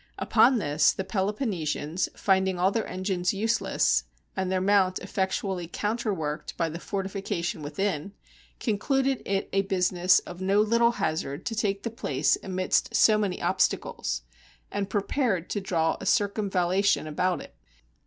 Upon this, the Peloponnesians, finding all their engines useless, and their mount effectually counterworked by the forti fication within, concluded it a business of no little hazard to take the place amidst so many obstacles, and pre pared to draw a circumvallation about it.